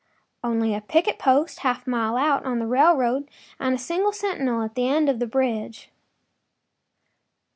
” “Only a picket post half a mile out, on the railroad, and a single sentinel at this end of the bridge.